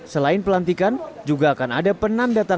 selain pelantikan juga akan ada penandataan